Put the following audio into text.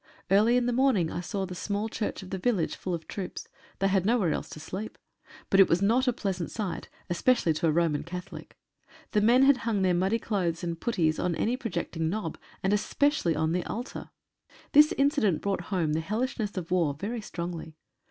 Early in the morning I saw the small church of the village full of troops, they had nowhere else to sleep. But it was not a pleasant sight, especially to an R.C. The men had hung their muddy clothes and putties on any projecting knob, and especially on the altar. This incident brought home the hellishness of war very strongly.